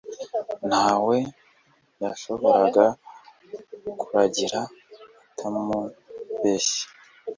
nta we yashoboraga kurahira atamubeshye